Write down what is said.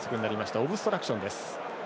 オブストラクション。